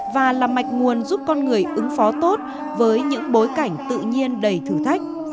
và là mạch nguồn giúp con người ứng phó tốt với những bối cảnh tự nhiên đầy thử thách